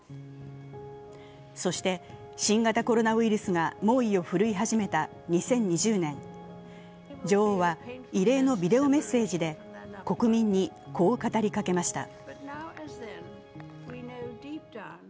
そして、新型コロナウイルスが猛威を振るい始めた２０２０年、女王は異例のビデオメッセージで国民にこう語りかけました。